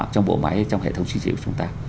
trong bộ máy trong hệ thống duy trì của chúng ta